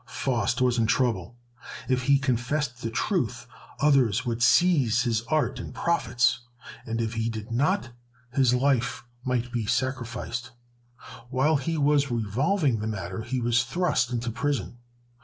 Faust was in trouble. If he confessed the truth, others would seize his art and profits; and if he did not, his life might be sacrificed. While he was revolving the matter, he was thrust into prison.